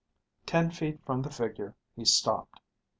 Ten feet from the figure he stopped.